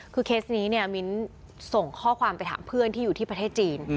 คือเคสนี้เนี่ยมิ้นส่งข้อความไปถามเพื่อนที่อยู่ที่ประเทศจีน